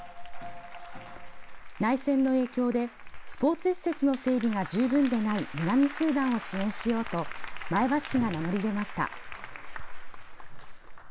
内戦の影響でスポーツ施設の整備が十分でない南スーダンを支援しようと前橋市が名乗り出ました。